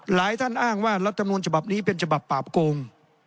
หลายท่านอ้างว่ารัดตำนวนฉบับนี้เป็นฉบับปาปโกง